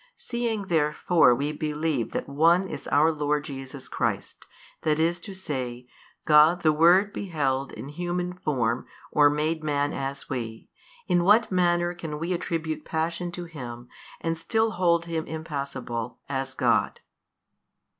Seeing therefore we believe that One is our Lord Jesus Christ, i. e. God the Word beheld in human form or made man as we, in what manner can we attribute Passion to Him and still hold Him impassible, as God?